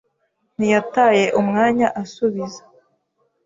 ntiyataye umwanya asubiza.